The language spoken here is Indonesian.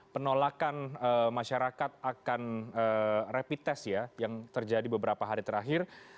penolakan masyarakat akan rapid test ya yang terjadi beberapa hari terakhir